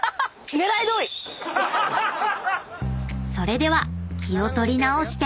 ［それでは気を取り直して］